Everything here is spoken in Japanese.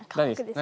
何？